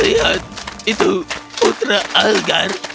lihatlah itu putra algar